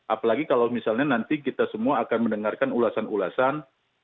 apalagi kalau misalnya nanti kita semua akan mendengarkan ulasan ulasan